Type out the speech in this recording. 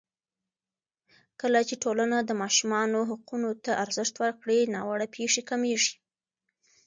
کله چې ټولنه د ماشومانو حقونو ته ارزښت ورکړي، ناوړه پېښې کمېږي.